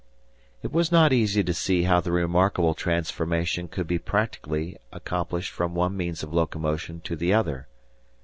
It was not easy to see how the remarkable transformation could be practically accomplished from one means of locomotion to the other.